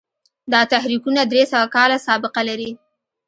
دا تحریکونه درې سوه کاله سابقه لري.